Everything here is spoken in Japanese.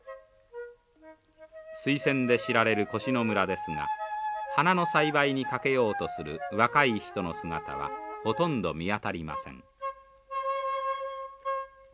スイセンで知られる越廼村ですが花の栽培にかけようとする若い人の姿はほとんど見当たりません。